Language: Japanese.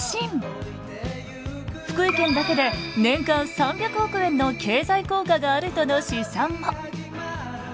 福井県だけで年間３００億円の経済効果があるとの試算も。